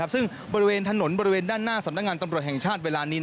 ซึ่งบริเวณถนนบริเวณด้านหน้าสำนักงานตำรวจแห่งชาติเวลานี้